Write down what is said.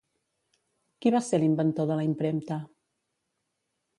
Qui va ser l'inventor de la impremta?